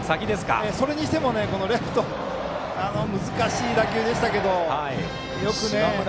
それにしてもレフトが難しい打球でしたけどよくとりましたね。